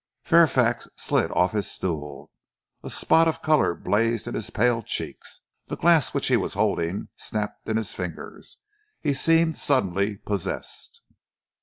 Fairfax slid off his stool. A spot of colour blazed in his pale cheeks, the glass which he was holding snapped in his fingers. He seemed suddenly possessed.